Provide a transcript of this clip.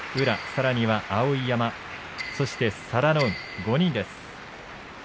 さらには碧山そして佐田の海の５人です。